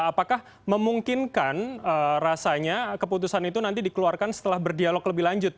apakah memungkinkan rasanya keputusan itu nanti dikeluarkan setelah berdialog lebih lanjut